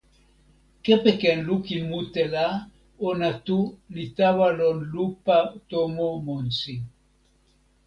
kepeken lukin mute la, ona tu li tawa lon lupa tomo monsi.